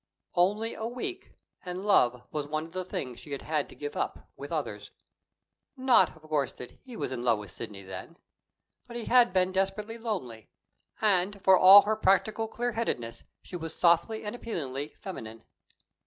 Only a week and love was one of the things she had had to give up, with others. Not, of course, that he was in love with Sidney then. But he had been desperately lonely, and, for all her practical clearheadedness, she was softly and appealingly feminine.